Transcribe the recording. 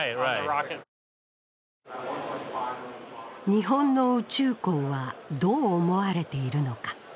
日本の宇宙港はどう思われているのか。